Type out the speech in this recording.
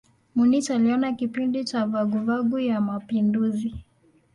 Munich iliona kipindi cha vuguvugu ya mapinduzi.